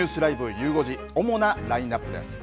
ゆう５時、主なラインナップです。